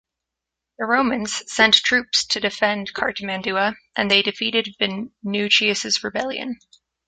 The Romans sent troops to defend Cartimandua, and they defeated Venutius' rebellion.